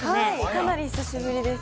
かなり久しぶりです。